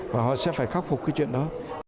và họ sẽ phải khắc phục cái chuyện đó